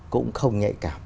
cũng không nhạy cảm